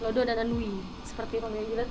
lodo dan nanduy seperti romeo dan juliet